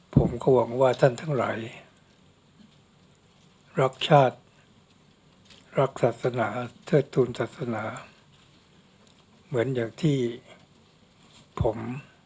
ผมก็หวังว่าท่านทั้งหลายรักชาติรักศาสนาเทิดทูลศาสนาเหมือนอย่างที่ผม